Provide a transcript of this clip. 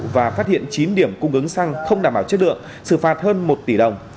và phát hiện chín điểm cung ứng xăng không đảm bảo chất lượng xử phạt hơn một tỷ đồng